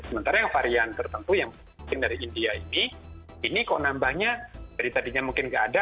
sementara yang varian tertentu yang mungkin dari india ini ini kok nambahnya dari tadinya mungkin nggak ada